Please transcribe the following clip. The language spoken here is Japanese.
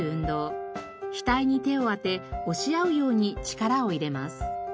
額に手を当て押し合うように力を入れます。